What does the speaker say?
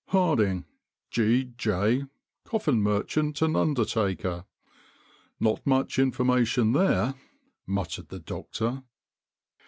"'Harding, G. J., Coffin Merchant and Undertaker.' Not much information there," muttered the doctor.